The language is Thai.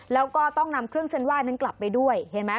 แล้วก็ต้องนำเครื่องเส้นไห้นั้นกลับไปด้วยเห็นไหม